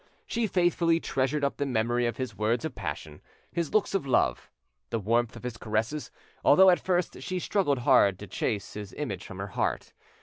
She faithfully treasured up the memory of his words of passion, his looks of love, the warmth of his caresses, although at first she struggled hard to chase his image from her heart.